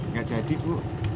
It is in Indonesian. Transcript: gak jadi bu